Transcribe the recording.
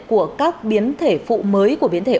của các biến thể phụ mới của biến thể